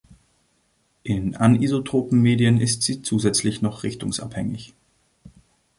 In anisotropen Medien ist sie zusätzlich noch richtungsabhängig.